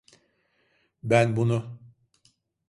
Ben bunu…